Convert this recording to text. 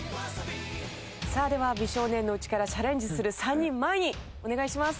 さあでは美少年のうちからチャレンジする３人前にお願いします。